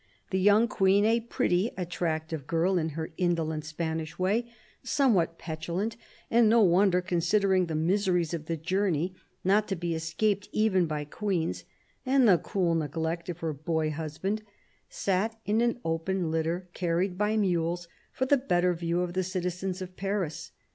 The young Queen, a pretty and attractive girl in her indolent Spanish way — somewhat petulant, and no wonder, con sidering the miseries of the journey not to be escaped even by queens, and the cool neglect of her boy husband — sat in an open litter carried by mules, for the better view of the citizens of Paris.